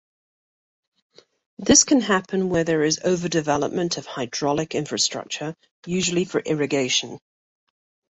This can happen where there is overdevelopment of hydraulic infrastructure, usually for irrigation.